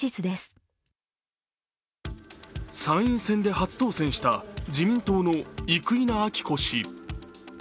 参院選で初当選した自民党の生稲晃子氏。